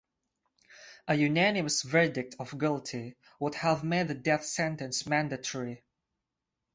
A unanimous verdict of guilty would have made the death sentence mandatory.